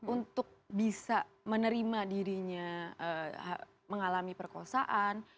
untuk bisa menerima dirinya mengalami perkosaan